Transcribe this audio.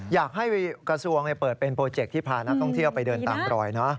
อยากให้กระทรวงเปิดเป็นโปรเจคที่พานักท่องเที่ยวไปเดินตามรอย